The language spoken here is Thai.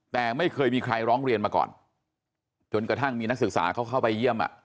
แต่ไม่เคยมีใครร้องเรียนมาก่อนจนกระทั่งมีนักศึกษาเขาเข้าไปเยี่ยม